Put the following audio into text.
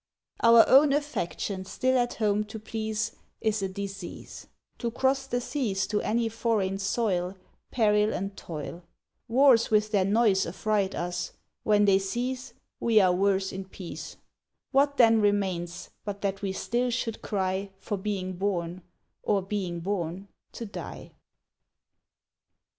Our own affection still at home to please Is a disease: To cross the seas to any foreign soil, Peril and toil: Wars with their noise affright us; when they cease, We are worse in peace; What then remains, but that we still should cry For being born, or, being born, to die?